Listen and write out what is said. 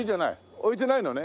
置いてないのね。